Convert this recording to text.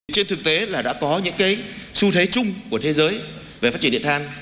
trên thực tế là đã có những cái xu thế chung của thế giới về phát triển điện than